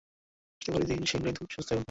আশা করি শীঘ্রই তিনি সুস্থ হয়ে উঠবেন।